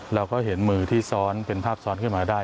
เราก็เห็นมือที่ซ้อนเป็นภาพซ้อนขึ้นมาได้